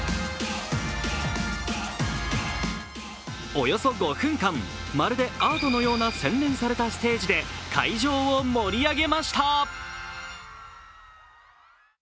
およそ５分間、まるでアートのような洗練されたステージで会場を盛り上げました。